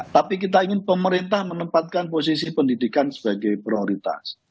tapi kita ingin pemerintah menempatkan posisi pendidikan sebagai prioritas